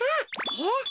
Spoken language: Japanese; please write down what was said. えっ？